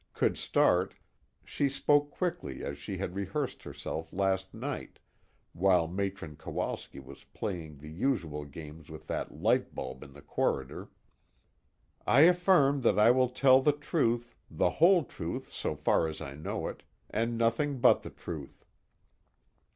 could start, she spoke quickly as she had rehearsed herself last night while Matron Kowalski was playing the usual games with that light bulb in the corridor: "I affirm that I will tell the truth, the whole truth so far as I know it, and nothing but the truth."